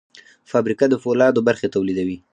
فابریکه د فولادو برخې تولیدوي.